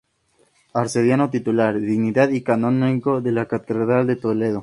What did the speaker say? Arcediano titular, dignidad y canónigo de la catedral de Toledo.